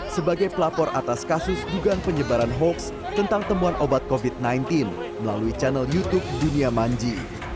sebagai pelapor atas kasus dugaan penyebaran hoax tentang temuan obat covid sembilan belas melalui channel youtube dunia manji